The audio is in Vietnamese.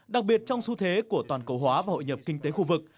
đặc biệt trong xu thế của toàn cầu hóa và hội nhập kinh tế khu vực